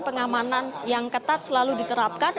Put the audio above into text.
pengamanan yang ketat selalu diterapkan